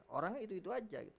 orangnya itu itu aja